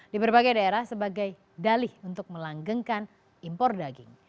di berbagai daerah sebagai dalih untuk melanggengkan impor daging